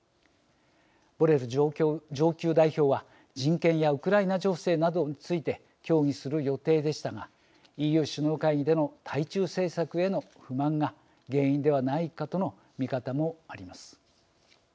ボレル上級代表は人権やウクライナ情勢などについて協議する予定でしたがＥＵ首脳会議での対中政策への不満が原因ではないかとの見方もあります。